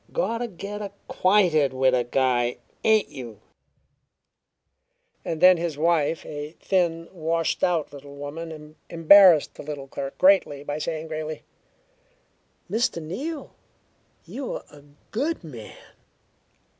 "Gotta get acquainted with a guy, ain't you?" Then his wife, a thin, washed out little woman, embarrassed the little clerk greatly by saying gravely: "Mr. Neal, you're a good man."